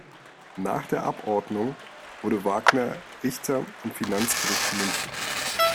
Nach der Abordnung wurde Wagner Richter am Finanzgericht München.